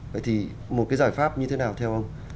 vậy thì một cái giải pháp như thế nào theo ông